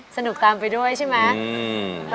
สนุกตามไปด้วยใช่ไหม